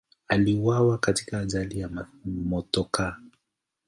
Aliuawa katika ajali ya motokaa.